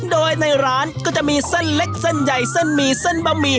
โดยในร้านก็จะมีเส้นเล็กเส้นใหญ่เส้นหมี่เส้นบะหมี่